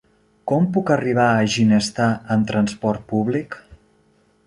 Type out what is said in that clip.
Com puc arribar a Ginestar amb trasport públic?